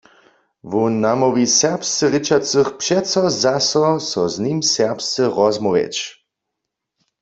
Wón namołwi serbsce rěčacych přeco zaso, so z nim serbsce rozmołwjeć.